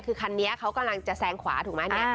คือคันนี้เขากำลังจะแซงขวาถูกไหมเนี่ย